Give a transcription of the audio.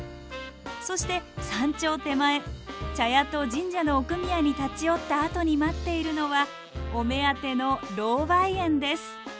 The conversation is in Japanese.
そして山頂手前茶屋と神社の奥宮に立ち寄ったあとに待っているのはお目当てのロウバイ園です。